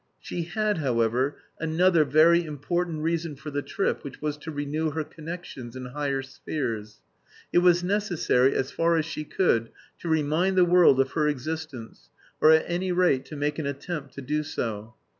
She had, however, another very important reason for the trip, which was to renew her connections in higher spheres. It was necessary, as far as she could, to remind the world of her existence, or at any rate to make an attempt to do so.